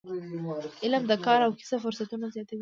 علم د کار او کسب فرصتونه زیاتوي.